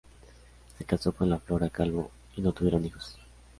Se casó con Flora Calvo y no tuvieron hijos.